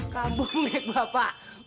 kambuk punggik bapak